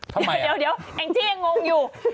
เดี๋ยวแองจี้ยังงงอยู่